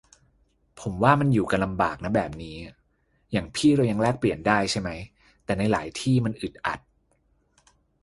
ผมว่ามันอยู่กันลำบากนะแบบนี้ อย่างพี่เรายังแลกเปลี่ยนได้ใช่ไหม แต่ในหลายที่มันอึดอัด